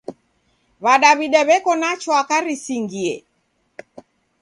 W'adawida w'eko na chwaka risingie!